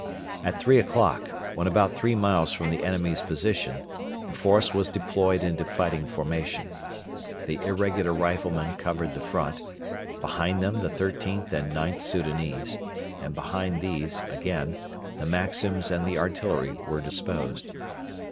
At three o'clock, when about three miles from the enemy's position, the force was deployed into fighting formation. The irregular riflemen covered the front; behind them the XIIIth and IXth Soudanese; and behind these, again, the Maxims and the artillery were disposed.